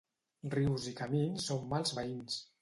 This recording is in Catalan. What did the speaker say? Rius i camins són mals veïns.